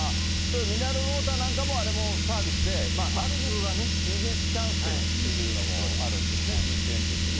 ミネラルウォーターなんかも、あれもサービスで、ある意味、ビジネスチャンスっていうのもあるんですね、Ｇ２０って。